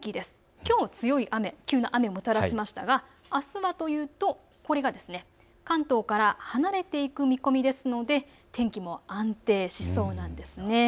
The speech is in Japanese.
きょう強い雨をもたらしましたがあすはというとこれが関東から離れていく見込みですので天気も安定しそうなんです。